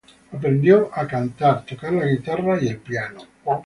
Aprendió a cantar, tocar la guitarra y el piano.